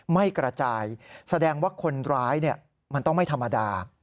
ไม่กระจายแสดงว่าคนร้ายมันต้องไม่ธรรมดา